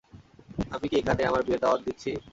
আমি কি এখানে আমার বিয়ের দাওয়াত দিচ্ছি?